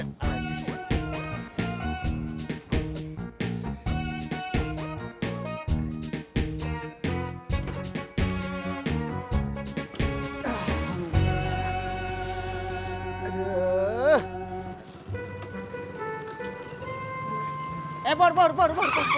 eh pur pur pur pur